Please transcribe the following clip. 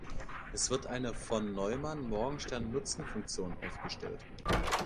Es wird eine Von-Neumann-Morgenstern-Nutzenfunktion aufgestellt.